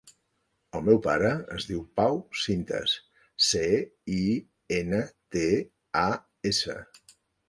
El meu pare es diu Pau Cintas: ce, i, ena, te, a, essa.